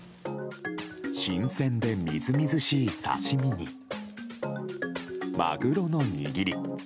新鮮でみずみずしい刺し身にマグロの握り。